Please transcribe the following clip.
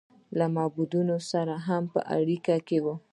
له معبودانو سره هم په اړیکه کې و.